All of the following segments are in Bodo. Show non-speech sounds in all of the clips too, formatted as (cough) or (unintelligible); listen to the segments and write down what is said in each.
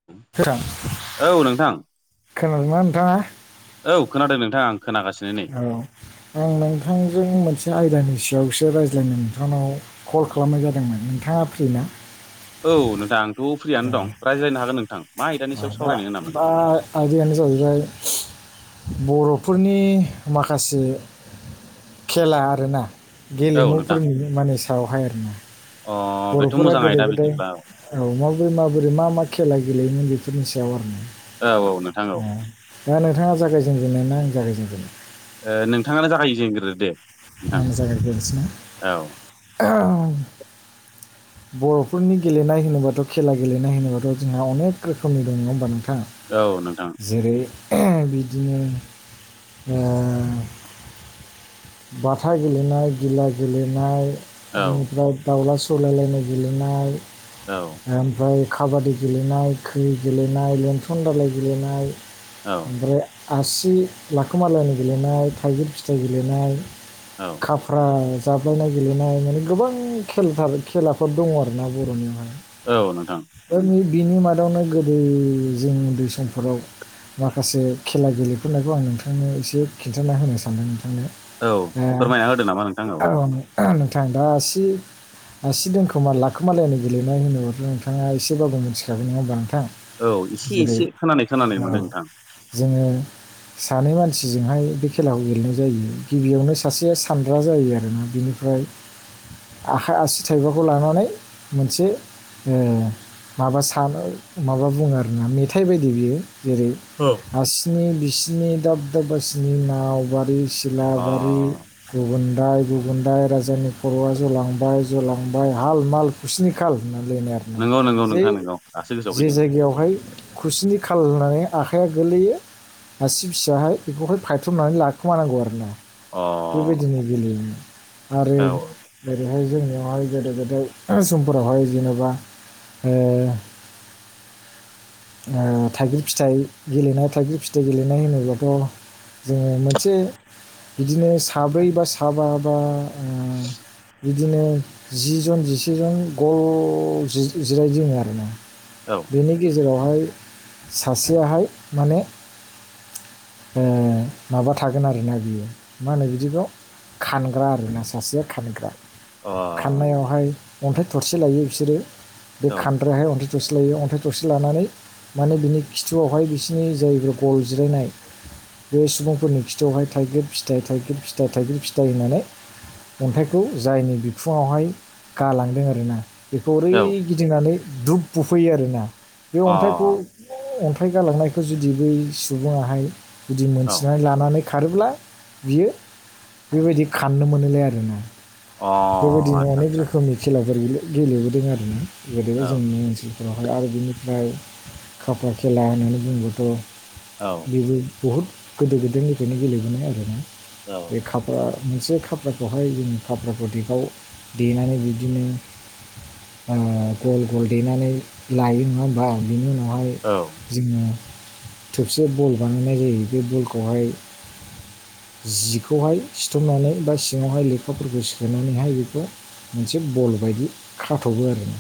(unintelligible) सोरां औ नोंथां। खोनादोंना नोंथाङा? औ खोनादों नोंथां आं खोनागानो औ आं नोंथांजों मोनसे आयदानि सायावसो रायज्लायनो नोंथांनाव कल खालामनाय जादोंमोन नोंथाङा फ्रि ना? औ नोंथां आंथ' फ्रियानो दं, रायज्लायनो हागोन नोंथां। मा आयदानि सायाव सावरायनो होनामोन (unintelligible) आयदायानो जाहैबाय बर'फोरनि माखासे खेला आरोना औ नोंथां गेलेमुफोरनि मानानि सायावहाय आरोना। अ बेथ' बर'फोरा मोजां गोदो आयदा गोदाय बिदिब्ला औ माबोरै माबोरै मा मा खेला गेलेयोमोन बेफोरनि सायाव आरो। न औ औ नोंथां औ दा नोंथाङा जागायजेनगेननाय ना आं जागायजेनगोनो? नोंथाङानो जागायजेनग्रो दे। आ नोंथां जागसना औ (unintelligible) बर'फोरनि गेलेनाय होनोबाथ' खेला गेलेनाय होनोबाथ' जोंहा अनेक रोखोमनि दङ होमबा नोंथाङ? औ नोंथां। जेरै बिदिनो (unintelligible) बाथा गेलेनाय गिला गेलेनाय औ बिनिफ्राय दाउला सौलायलायनाय गेलेनाय औ। ओमफ्राय खाबादि गेलेनाय खै गेलेनाय लन्सन दालााय गेलेनाय औ ओमफ्राय आसि लाखोमालायनि गेलेनाय थाइगिर फिथाइ गेलेनाय औ खाफ्रा जाब्लायनाय गेलेनाय माने गोबां खेल थाराय खेलाफोर दङ आर ना बर'नियावहाय औ नोंथां। बिनि मादावनो गोदो जों उन्दै समफोराव माखासे खेला गेलेफोरनायखौ आं नोंथांनो एसे खिन्थाना होनो सानदों नोंथांनो। औ फोरमायना होदो नामा नोंथां औ। ओ नोंथां दासि आसि दोनखोमा लाखोमालायनो गेलेनाय होनोब्लाथ' नोंथाङा एसेबाबो मिथिखोन नङा होमबा नोंथां? औ एसे जेरै एसे खोनानाय खोनानानै मोनदों नोंथां। जोङो सानै मानसिजोंहाय बे खेलाखौ गेलेनाय जायो गिबियावनो सासेया सानद्रा जायो आरोना बिनि ओमफ्राय आखाइ आसि थाइबाखौ लानानै मोनसे माबा सानो माबा बुङो आरोना, मेथाइ बायदि बियो जेरै औ। हारसिनि बिसिनि दाब दाबसिनि नाव बारि सिलाबारि अ गुबुनन्दाय गुबुनदाय राजानि खर'आ जालांबाय जालांबाय हाल माल खुस्नि खााल होननानैलायनाय आरो। नंगौ नंगौ (unintelligible) जे नोंथां नंगौ दासो गोसोआव जे फैदों जायगायावहाय। खुसिनि खाल होननानै आखाइया गोलैयो आसि फिसाहाय बेखौहाय फायथ'नानै लाखोमानांगौ आरो ना। अ बेबायदिनो गेलेयोमोन आरो औ जेरैहाय जोंनियाव बेहाय गोेदो गोदाय समफोरावहाय जेनेबा ओ थाइगिर फिथाइ गेलेनाय थाइगिर फिथाइ गेलेनाय होनोब्लाथ' जोङो मोनसे बिदिनो साब्रै बा साबा बा (unintelligible) बिदिनो जि जन जिसेजन गल जिरायजिङो आरो ना औ बेनि गेजेरावहाय सासेयाहाय माने ओ- माबा थागोन आरोना बियो मा होनो बिदिखौ खानग्रा आरोना सासेया खानग्रा अ खाननायावहाय अन्थाइ थरसे लायो बिसोरो बे औ खानद्रहाय अन्थ दरसे लायो अन्थाइ थसे लानानै माने बिनि खिथुआवहाय बिसिनि जायफोर गल जिरायनाय बे सुबुंफोरनि खिथयावहाय थाइगिर फिथाइ थाइगिर फिथाइ थाइगिर फिथाइ होननानै अन्थाइखौ जायनि बिखुङावहाय गालांदों आरोना बेखौ ओरै औ गिदिंनानै धुप बुफैयो आरोना बे अ अन्थाइखौ अन्थाइ गालांनायखौ जुदि बै सुबुङाहाय जुदि औ अ मोनथिनानै लानानै खारोब्ला बियो बेबायदि खाननो मोनोलाय आरो ना बेबायदिनो आदसा अनेक आदसा रोखोमनि खेलाफोर गेले-गेलेबोदों आर ना गोदो औ जोंनि ओसोल बेवहाय आरो बिनिफ्राय खाफा खेला होननानै बुंबाथ' औ बेबो बहुत गोदो गोदायनिफायनो गेलेबोनाय आरोना बे औ काप मोनसे खाफ्राखौहाय जों खाप्रा प्रडेकआव देनानै बिदिनो ओ-गल गल देनानै लायो नङा होमबा बिनि उनावहाय औ जोङो थोबसे बल बानायनाय जायो बे बलखौहाय जिखौहाय सिथ'नानै बा सिङावहाय लेखाफोरखौ सोना नैहाय बेखौ मोनसे बल बायदि खाथ'बो आरो ना।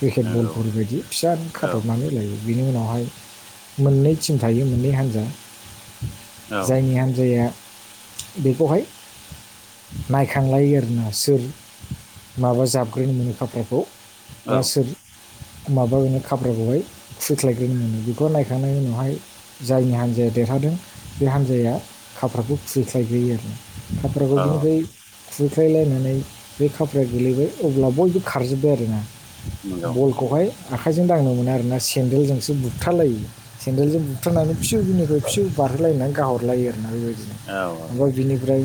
फेकेट नंगौ बलफोर बायदि फिसानो औ खाथबनानै लायो। बिनि उनावहाय मोननै टिम थायो मोननै हान्जा। औ जायनि हान्जाया बेखौहाय नायखांलायो आरोना। सोर माबा जाबग्रोनो मोनो खामफ्लायखौ औ बा सोर माबानो खाब्राखौहाय खुबैख्लायग्रोनो बेखौ नायखांनायनि उनावहाय जायनि हान्जाया देरहादों बे हान्जाया खाफ्राखौ खुैस्लायग्रोयो आरो। खाफ्राखौ बिनिफ्राय औ खुुबैख्लायलायना नै बे खाफ्लाया गोलैबाय अब्ला बयबो खारजोब्बाय आरोना नंगौ बल आखौहाय आखाइजों दांनो मोनो आरो ना सेन्देलजोंसो बुखथा लायो। सेन्देलजों बुबथानानै फिउ बिनिफ्राय फिव बारहोलायनानै गाहहरलायो आरोना बेबायदि। औ ओमफ्राय बिनिफ्राय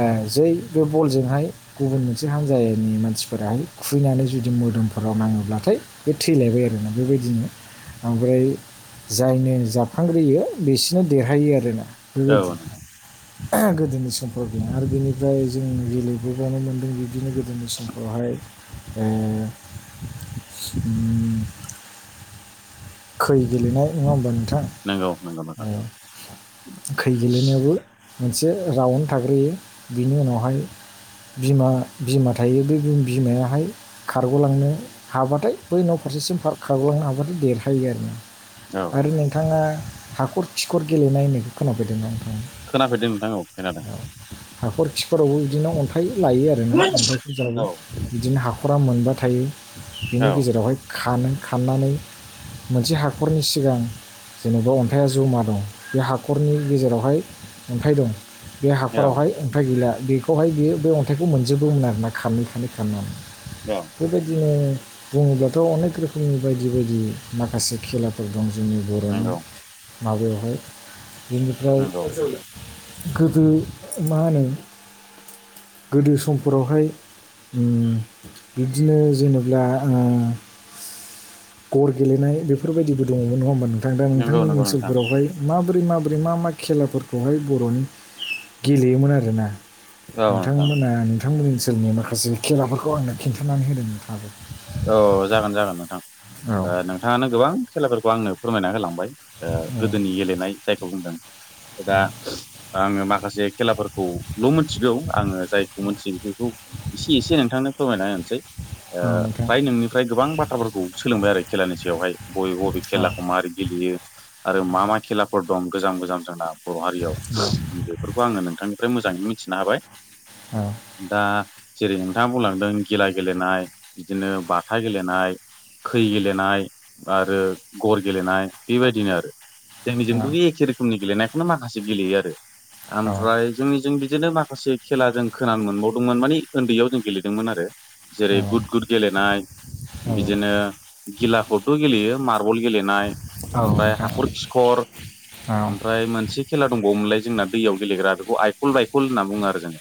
ओ-जै बे बलजोंहाय गुबुन मोनसे हान्जानि मानसिफोराहाय खुबैनानै जुदि मोदोमफोराव नाङोब्लाथाय बे थैलायबाय आरोना बेबायदिनो। ओमफ्राय जायनो जाबखांग्रोयो बिसोरनो देरहायो आरोना। औ बेबायदि औ गोदोनि समफोरनि आर बेनिफ्राय जों गेले गोबानो मोनदों बिदिनो गोदोनि समफ्रावहाय ओ- उम। खै गेलेनाय नङा होमबा नोंथां? नंगौ नंगौ नोंथां। खै गेलेनायावबो मोनसे राउन्ड थाग्रोयो बिनि उनावहाय बिमा बिमा थायो बे बिमायाहाय खारग'लांनो हाबाथाय बै न' फारसेसिम फार-खारग'लांनो हाबाथाय देर थायो आरो ना। औ आरो नोंथाङा हाखर खिखर गेलेनाय होननायखौ खोनाफैदोंमोन नोंथांङा? खोनाफेदों नोंथां औ खोनादों। हाखर खिखरावबो बिदिनो अन्थाइ लायो आरोनो अन्थाइ फुजाबो औ बिदिनो हाखरा मोनबा थायो औ बिनि गेजेरावहाय खानो खाननानै मोनसे हाखरनि सिगां जेनेबा अन्थाइया जमा दं बे हाखरनि गेजेरावहाय अन्थाइ दं बे औ हाखरावहाय अन्थाइ गैला बेखौहाय बेयो बे अन्थाइखौ मोनजोबोमोन आरोना खारै खारानै खारनानै ओ बेबायदिनो बुङोब्लाथ' अनेक रोखोमनि बायदि बायदि माखासे खेला फोर दं जोंनि बर'नि माबायावहाय बेनिफ्राय नंगौ गोदो मा होनो गोदो समफोरावहाय बिदिनो जेनेब्ला ओ गेलेनाय बेफोरबायदिबो दङमोन नङा होमबा नोंथां दा नंगौ नोंथांमोननि नंगौ नोंथां ओनसोलफोरावहाय माबोरै माबोरै मा मा खेलाफोरखौहाय बर'नि गेलेयोमोन आरोना औ नोंथां नोंथांमोना नोंथांमोन ओनसोलनि माखासे खेलाफोरखौ आंनो खिन्थानानै होदों नोंथांङाबो औ जागोन जागोन नोंथां औ ओ नोंथाङानो गोबां खेलाफोरखौ आंनो फोरमायना होलांबाय ओ गोदोनि गेलेनाय जायखौ बुंदों दा औ आङो माखासे खेलाफोरखौल' मिथिगौ आङो जायखौ मोनथियो बेखौ एसे एसे नोंथांनो फोरमायना होनोसै ओ औ नोंथां फ्राय नोंनिफ्राय गोबां बाथ्राफोरखौ सोलोंबाय आरो खेलानि सायावहाय बबे बबे औ नंगौ खेलाखौ माबोरै गेलेयो आरो मा मा खेलाफोर दं गोजाम गोजाम जोंना बर' हारियाव बेफोरखौ आङो नोंथांनिफ्राय मोजाङै मिथिनो हाबाय औ दा जेरै नोंथाङा बुंलांदों गिला गेलेनाय बिदिनो बाथा गेलेनाय खै गेलेनाय आरो गर गेलेनाय बेबायदिनो आरो जोंनिजों' बे एखे रोखोमनि गेलेनायखौनो माखासे गेलेयो आरो औ ओमफ्राय जोंनि जों बिदिनो माखासे खेला जों खोनानो मोनबावदोंमोन माने उन्दैयाव जों गेलेदोंमोन आरो औ जेरै गुद गुद गेलेनाय औ बिदिनो गिलाखौथ' गेलेयो मारबल गेलेनाय ओमफ्राय नोंथां हाखर खिखर औ ओमफ्राय मोनसे खेला दंबावोमोनलाय जोंना दैयाव गेलेग्रा बेखौ आइफल बाय'फल होनना बुङो आरो जों।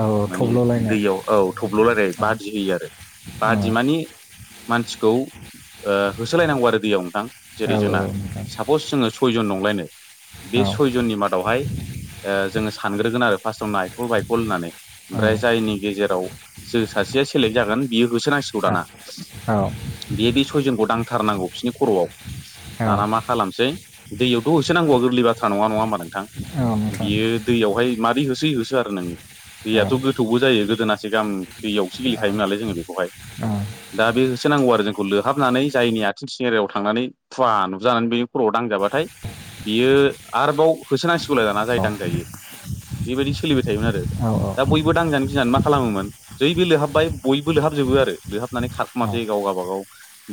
औ माने थब्ल'लायनाय दैयाव औ थब्ल'लायनाय औ बादि होयो आरो औ बादि माने मानसिखौ ओ होसोलायनांगौ आरो दैयाव नोंथां औ जेरै जोंना नोंथां सापस जोङो सयजन दंलायनो बे औ सयजननि मादावहाय ओ जोङो सानग्रोगोन आरो फार्स्टआव नायफल बायखल होननानै औ ओमफ्राय जायनि गेजेराव जो सासेया सेलेक्ट जागोन बियो होसोनांसिगौ दाना औ नोंथां औ औ बियो बे सयजनखौ दांथारनांगौ बिसोरनि खर'आव दाना मा औ खालामसै दैयावथ' होसो नांगौआ गोरलै बाथ्रा नङा नङा होमबा नोंथां औ औ बियो दैयावहाय मारै होसो होसो आरो नों औ दैयाथ' गो गोथौबो जायो गोदोनाससे गाहाम दैयावसो गेलेखायोमोन नालाय जोङो बेयाव उम दा बे होसो नांगौ आरो जोंखौ लोहाबनानै जायनि आथिं सेहेरायाव थांनानै खुवा नुजानानै बेनि खर'आव दांजाबाथाय बियो आरोबाव होसोनांसिगौलाय दाना जाय दांजायो बेबायदि सोलिबाय थायोमोन आरो दा बयबो दांजानो गिनानै मा खालामोमोन जैय बे लोहाबबाय बयबो लोबहाबजोबो आरो लोहाबनानै खारखुमासै गाव गावबागाव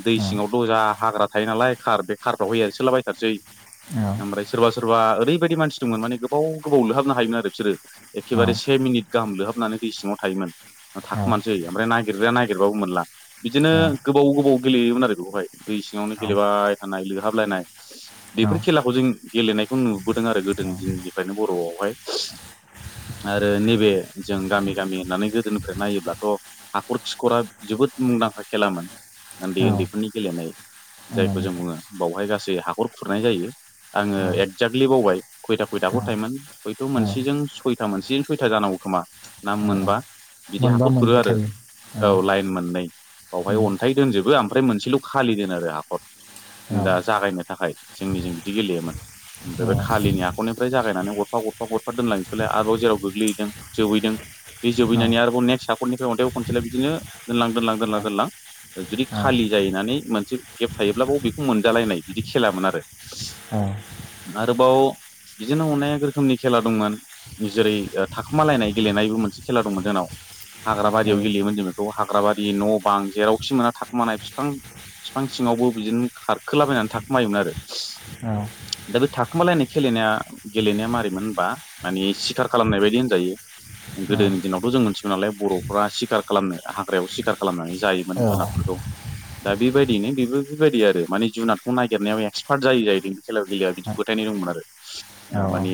दै सिङाव द'जा हाग्रा थायो नालाय खार बे खारफ्रावहै आरो सोलाबायथारसै ओमफ्राय सोरबा सोरबा ओरैबायदि मानसि दंमोन माने गोबाव गोबाव लोहाबनो हायोमोन आरो बिसोरो एखेबारे से मिनिट गाहाम लोहाबनानै दै सिङाव थायोमोन थाखोमानोसै ओमफ्राय नागेरदो नागिरबाबो मोनला बिदिनो गोबाव गोबाव गेलेयोमोन आरो बेखौहाय दै सिङावनो गेलेबाय हानाय लोहाबलायनाय बेफोर खेलाखौ जों गेलेनायखौ नुबोदों आरो गोदो दिननिफ्रायनो बर'आवहाय। आरो नैबे जों गामि गामि होननानै गोदोनिफ्राय नायोब्लाथ' हाखर खिखरा जोबोद मुंदांखा खेलामोन उन्दै उन्दैफोरनि गेलेनाय जायखौ जों बुङो बावहाय गासै हाखर खुरनाय जायो आङो एक्जेक्टलि बावबाय। खयथा खयथा हाखर थायोन हयथ' मोनसेजों सयथा मोनसेजों सयथा जानांगौ खोमा ना मोनबा? बिदि मोनबा हाखर खुरो मोनबा आरो। थायो औ लाइन मोननै बावहाय अन्थाइ दोनजोबो ओमफ्राय मोनसेल' खालि दोनो आरो हाखर। औ दा जागायनो थाखाय जोंनिजों बिदि गेलेयोमोन। औ ओमफ्राय बे खालिनि हाख'रनिफ्राय जागायनानै गरफा गरफा गरफा दोनलांनोसिलाय आरोबाव जेराव गोग्लैहैदों जोबहैदों बे जोबैनानै आरोबाव नेक्स्ट हाखरनिफ्राय अन्थाइाव खनसेलाय बिदिनो दोनलां दोनलां दोनलां दोनलां जुदि खालि जाहैनानै मोनसे गेब थायोब्ला बाव बेखौ मोनजालायनाय बिदि खेलामोन आरो। अ आरोबाव बिदिनो अनेक रोखोमनि खेला दंमोन। जेरै ओ थाखोमालायनाय गेलेनायबो मोनसे खेला दंमोन जोंनाव हाग्रा बा रियाव औ गेलेयोमोन जों बेखौ हाग्राबारि न' बां जेरावखि मोना थाखुमानाय फिफां फिफां सिङावबो बिदिनो खारखोलाबायनानै थाखोमायोमोन आरो। औ नोंथां औ नोंथां औ दा बे थाखुमालायनाय खेलेनाया गेलेनाया मारैमोन होनबा माने सिखार खालामनाय बायदि होनजायो गोदोनि दिनावथ' जों मोनथिगौ नालाय बर' फुरा सिखार खालामनो हाग्रायाव सिखार खालामनानै जायोमोन जुनारफोरखौ। दा बेबायदिनो बेबो बेबायदि आरो माने जुनादखौ नागिरनायाव एक्सपार्ट जायो जाहैदों खेला गेलेआ बिदि फोथायनाय दंमोन आरो ओ माने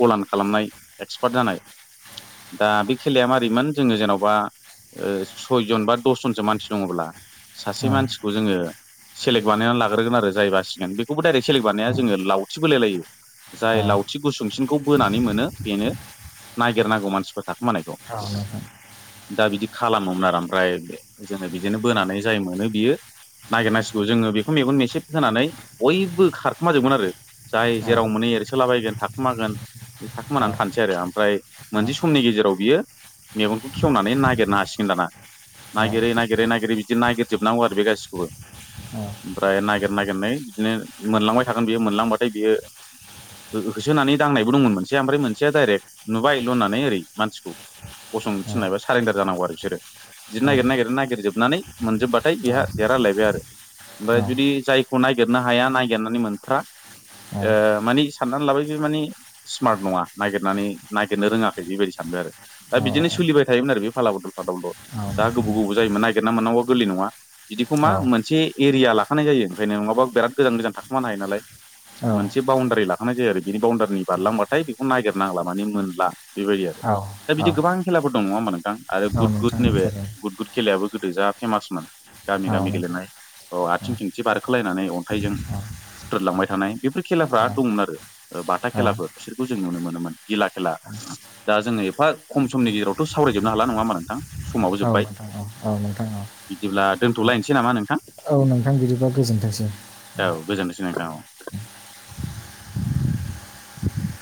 फलान खालामनाय एक्सपार्ट जानाय। दा बे खेलाया मारैमोन जोङो जेन'बा ओ सयजन बा दसजनसो मानसि दङब्ला सासे मानसिखौ जोङो सेलेक्ट बानायनान लाग्रोगोन आरो जाय बासिगोन बेखौबो डाइरेक्ट सेलेक्ट बानाया जोङो लावथि बोलाय लायो। जाय लावथि गुसुंसिनखौ बोनानै मोनो बेनो नायगेरनांगौ मानसिफोर थाखोमानायखौ। दा बिदि खालामोमोन आरो ओमफ्राय जोङो बिदिनो बोनानै जाय मोनो बियो नागेरनांसिगौ जोङो बेखौ मेगन मेसेब होनानै बयबो खारखोमाजोबगोन आरो जाय जेराव मोनै एरसोलाबायगोन थाखोमागोन बिदि थाखोमानानै थानोसै आरो ओमफ्राय मोनसे समनि गेजेराव बियो मेगनखौ खेवनानै नागिरना हासिगोन दाना औ नागिरै नागिरै नागिरै बिदि नागिरजोबनांगौ आरो बे गासिखौबो। ओमफ्राय नागेर नागेरनानै बिदिनो मोनलांबाय थागोन बियो मोनलांबाथाय बियो हो-होसोनानै दांनायबो दंमोन मोनसेया ओमफ्राय मोनसेया डाइरेक्ट नुबाय ल' होननानै ओरै मानसिखौ गसंनो थिननाय बा सारेन्डार जानांगौ आरो बिसोरो। बिदिनो नागेर नागेर नागेरजोबनानै मोनजोबबाथाय बेहा देरहालायबाय आरो। ओमफ्राय जुदि जायखौ नागिरनो हाया नागेरनानै मोनथ्रा ओ माने साननानै लाबाय बे माने स्मार्ट नङा नागिरनानै नागिरनो रोङाखै बेबायदि सानबाय आरो। दा बिदिनो सोलिबाय थायोमोन आरो बे फाला बदल फादल जा गोबाव औ नोंथां गोबाव जायोमोन नागिरना मोननांगौआ गोरलै नङा। बिदिखौ मा मोनसे एरिया लाखानाय जायो ओंखायनो नङाबा बिराद गोजान गोजान थाखुमानो हायो नालाय। मोनसे बाउण्डारि लाखानाय जायो आरो बिनि बाउण्डारिनि बारलांबाथाय बेखौ नागिरनांला माने मोनला बेबायदि आरो। औ। बिदि गोबां खेलाफोर दं नङा होमबा नोंथां आरो गुड गुड नैबे थारैनो गुड गुड खेलायाबो गोदो जा फेमासमोन। औ गामि गामि गेलेनाय नोंथां अ आथिं थिंथि बारखोलायनानै अन्थाइजों हुथ्रोदलांबाय थानाय बेफोर खेलाफ्रा दंमोन आरो। ओ बाथा औ खेलाफोर बिसोरखौ जों नुनो मोनोमोन गिला खेला दा जोङो एफा खम समनि गेजेरावथ' सावरायजोबनो हाला नङा नोंथां। समाबो औ जोब्बाय नोंथां औ औ नोंथां औ। बिदिब्ला दोनथ'लायनोसै नामा नोंथां औ नोंथां बिदिबा गोजोनथोंसै औ गोजोन्थोंसै नोंथां औ